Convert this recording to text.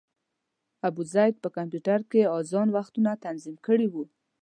ابوزید په کمپیوټر کې اذان وختونه تنظیم کړي وو.